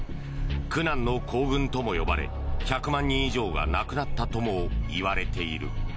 苦難の行軍とも呼ばれ１００万人以上が亡くなったともいわれている。